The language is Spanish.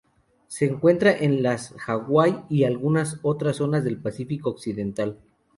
Se encuentra en las Hawaii y algunas otras zonas del Pacífico occidental.